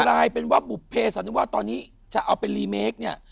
กลายเป็นว่าบุภเพสันนิวาสตอนนี้จะเอาเป็นรีเมคเนี่ย